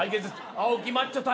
青木マッチョ対。